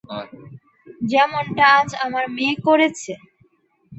যেমনটা আজ আমার মেয়ে করেছে।